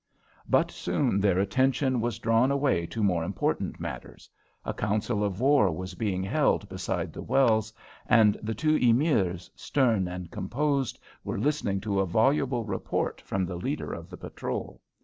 But soon their attention was drawn away to more important matters. A council of war was being held beside the wells, and the two Emirs, stern and composed, were listening to a voluble report from the leader of the patrol.